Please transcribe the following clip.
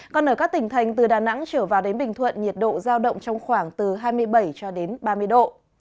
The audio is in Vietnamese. còn ở các tỉnh thành từ đà nẵng trở vào đến bình thuận nhiệt độ giao động trong khoảng từ hai mươi bảy cho đến ba mươi độ